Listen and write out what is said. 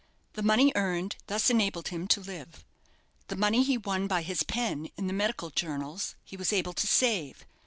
The money earned thus enabled him to live. The money he won by his pen in the medical journals he was able to save.